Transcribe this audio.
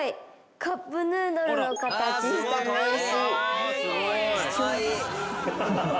カップヌードルの形した名刺。